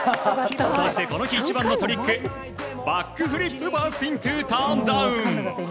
そして、この日一番のトリックバックフリップバースピントゥターンダウン。